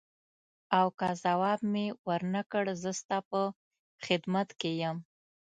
او که ځواب مې ورنه کړ زه ستا په خدمت کې یم.